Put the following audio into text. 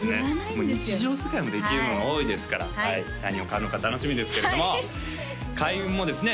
もう日常使いもできるのが多いですからはい何を買うのか楽しみですけれども開運もですね